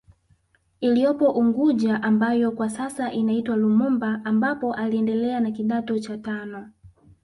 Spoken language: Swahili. Iliyopo unguja ambayo kwa sasa inaitwa Lumumba ambapo aliendelea na kidato cha tano